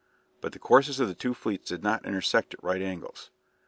But the courses of the two fleets did not intersect at right angles.